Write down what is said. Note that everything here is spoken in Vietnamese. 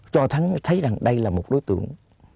cho thánh thấy rằng đây là một đối tượng